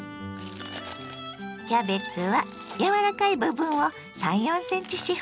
キャベツは柔らかい部分を３４ｃｍ四方にちぎります。